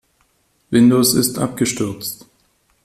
Windows ist abgestürzt.